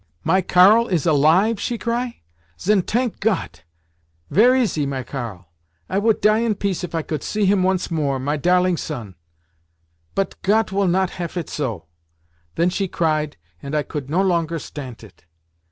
'My Karl is alive?' she cry. 'Zen tank Got! Vere is he, my Karl? I woult die in peace if I coult see him once more—my darling son! Bot Got will not haf it so.' Then she cried, and I coult no longer stant it.